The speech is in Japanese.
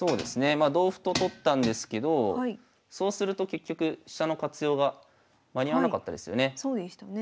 まあ同歩と取ったんですけどそうすると結局飛車の活用が間に合わなかったですよね。